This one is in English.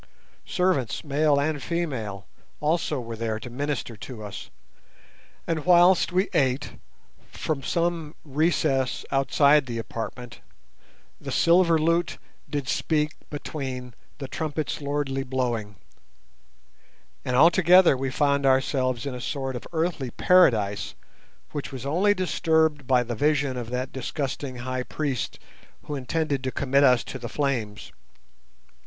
Servants, male and female, also were there to minister to us, and whilst we ate, from some recess outside the apartment "The silver lute did speak between The trumpet's lordly blowing;" and altogether we found ourselves in a sort of earthly paradise which was only disturbed by the vision of that disgusting High Priest who intended to commit us to the flames.